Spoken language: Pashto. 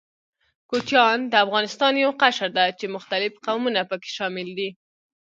کوچيان د افغانستان يو قشر ده، چې مختلف قومونه پکښې شامل دي.